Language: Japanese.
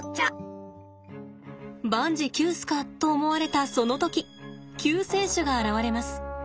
万事休すかと思われたその時救世主が現れます。